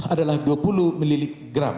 adalah dua puluh mg